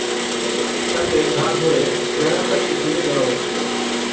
তাকে ঘাড় ধরে বেড়ার কাছে ঝুলিয়ে দেওয়া হয়েছিল।